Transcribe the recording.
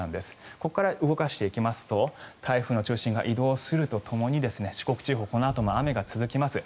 ここから動かしていきますと台風の中心が移動するとともに四国地方、このあとも雨が続きます。